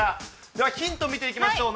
では、ヒント見ていきましょう。